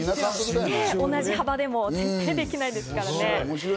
同じ幅でも絶対できないですからね。